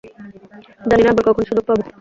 জানি না, আবার কখন সুযোগ পাবো।